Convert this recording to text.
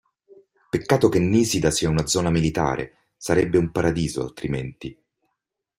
Peccato che Nisida sia una zona militare, sarebbe un paradiso altrimenti.